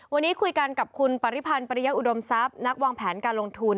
วันนี้คุยกันกับคุณปริพันธ์ปริยะอุดมทรัพย์นักวางแผนการลงทุน